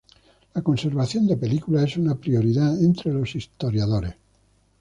La conservación de películas es una prioridad entre los historiadores.